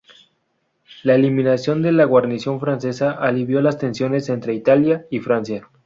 La eliminación de la guarnición francesa alivió las tensiones entre Italia y Francia.